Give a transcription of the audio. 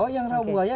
oh yang rawabuaya ya